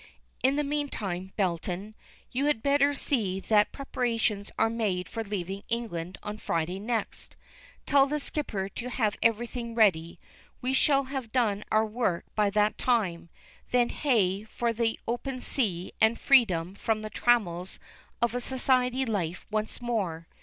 In the meantime, Belton, you had better see that preparations are made for leaving England on Friday next. Tell the skipper to have everything ready. We shall have done our work by that time; then hey for the open sea and freedom from the trammels of a society life once more.